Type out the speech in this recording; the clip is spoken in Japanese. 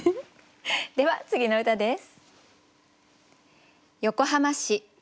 では次の歌です。